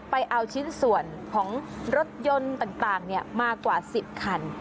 ไปเอาชิ้นส่วนของรถยนต์ต่างมากว่า๑๐คัน